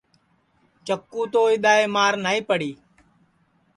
چکُو تو اِدؔائے مار نائی پڑی